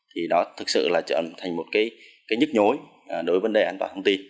thì đó thực sự trở thành một cái nhức nhối đối với vấn đề an toàn thông tin